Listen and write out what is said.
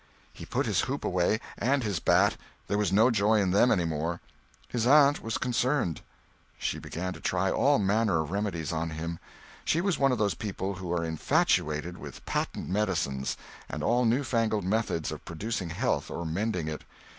He put his hoop away, and his bat; there was no joy in them any more. His aunt was concerned. She began to try all manner of remedies on him. She was one of those people who are infatuated with patent medicines and all new fangled methods of producing health or mending it.